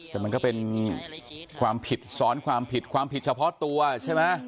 แต่มันก็เป็นความผิดซ้อนความผิดความผิดเฉพาะตัวใช่ไหม